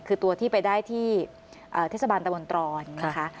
คือตัวที่ไปได้ที่เทศบาลตะบนตรอนนะคะ